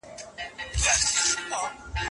څوک کولای شي چې تر ټولو ډېره منډه ووهي؟